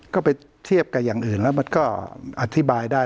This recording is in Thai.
ก็ไปเทียบกับอย่างอื่นแล้วมันก็อธิบายได้